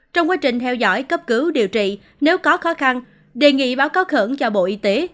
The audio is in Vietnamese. trong quá trình theo dõi cấp cứu điều trị nếu có khó khăn đề nghị báo cáo khẩn cho bộ y tế